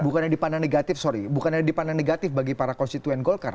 bukan yang dipandang negatif sorry bukannya dipandang negatif bagi para konstituen golkar